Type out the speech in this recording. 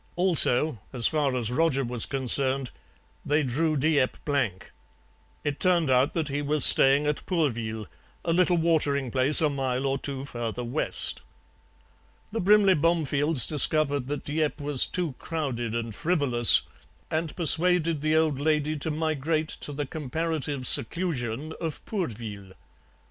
Also, as far as Roger was concerned, they drew Dieppe blank; it turned out that he was staying at Pourville, a little watering place a mile or two further west. The Brimley Bomefields discovered that Dieppe was too crowded and frivolous, and persuaded the old lady to migrate to the comparative seclusion of Pourville.